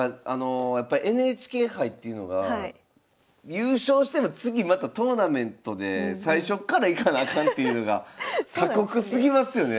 やっぱりＮＨＫ杯っていうのが優勝しても次またトーナメントで最初っからいかなあかんっていうのが過酷すぎますよね。